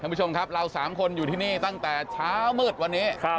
คุณผู้ชมครับเรา๓คนอยู่ที่นี่ตั้งแต่เช้ามืดวันนี้